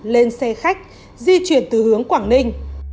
lên xe khách di chuyển từ hướng quảng ninh